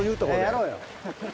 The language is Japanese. やろうよ。